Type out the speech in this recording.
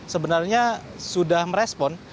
sebenarnya sudah merespon